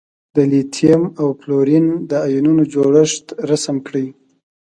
د لیتیم او فلورین د ایونونو جوړښت رسم کړئ.